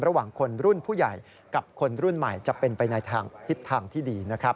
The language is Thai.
ระหว่างคนรุ่นผู้ใหญ่กับคนรุ่นใหม่จะเป็นไปในทิศทางที่ดีนะครับ